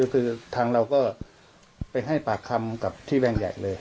คือทางเราก็ไปให้ปากคำกับที่แวงใหญ่เลย